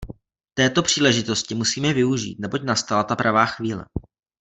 Této příležitosti musíme využít, neboť nastala ta pravá chvíle.